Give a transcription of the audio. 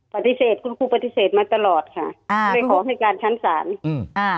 ปฏิเสธคุณครูปฏิเสธมาตลอดค่ะเลยขอให้การชั้นสาร